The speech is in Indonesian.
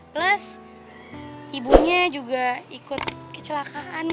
plus ibunya juga ikut kecelakaan